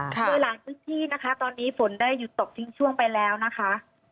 โดยหลายพื้นที่นะคะตอนนี้ฝนได้หยุดตกทิ้งช่วงไปแล้วนะคะ